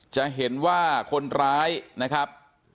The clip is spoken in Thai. จะเห็นว่าคนร้ายนะครับ